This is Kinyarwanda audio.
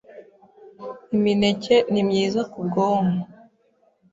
Imineke ni myiza ku bwonko,